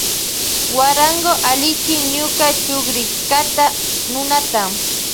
Guarango allichin ñuka chukrishkata nunata.